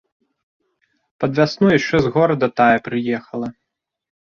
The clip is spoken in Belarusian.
Пад вясну яшчэ з горада тая прыехала.